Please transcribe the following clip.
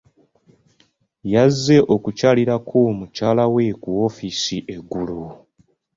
Yazze okukyalirako mukyala we ku woofiisi eggulo.